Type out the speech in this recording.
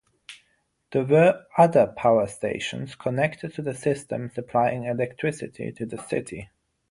There were other power stations connected to the system supplying electricity to the City.